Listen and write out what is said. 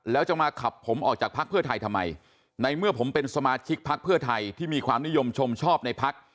แล้วจะมาขับผมออกจากพักเพื่อไทยทำไมในเมื่อผมเป็นสมาชิกพักเพื่อไทยที่มีความนิยมชมชอบในพัก